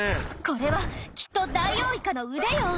これはきっとダイオウイカの腕よ。